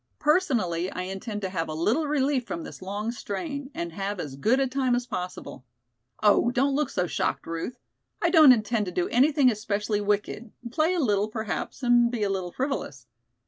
Personally I intend to have a little relief from this long strain and have as good a time as possible. Oh, don't look so shocked, Ruth. I don't intend to do anything especially wicked, play a little perhaps and be a little frivolous.